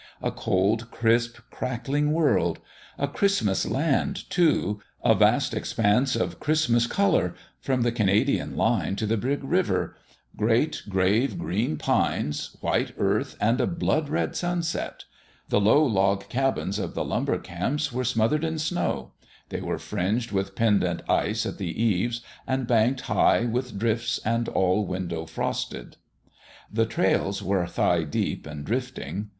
A cold, crisp crackling world ! A Christmas land, too : a vast expanse of Christmas colour, from the Canadian line to the Big River great, grave, green pines, white earth and a blood red sunset ! The low log cabins of the lumber camps were smothered in snow ; they were fringed with pend ant ice at the eaves, and banked high with drifts, and all window frosted. The trails were thigh deep and drifting.